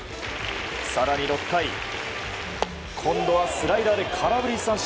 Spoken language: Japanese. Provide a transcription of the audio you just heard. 更に、６回今度はスライダーで空振り三振。